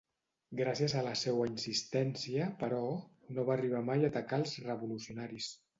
Gràcies a la seua insistència, però, no va arribar mai a atacar als revolucionaris.